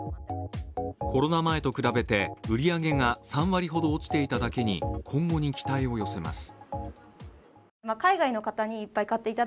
コロナ前と比べて売り上げが３割ほど落ちていただけに今後に期待を寄せます。